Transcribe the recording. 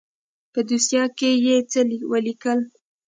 په دوسيه کښې يې څه وليکل.